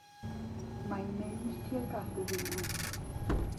Mae'n mynd tuag at y ddinas.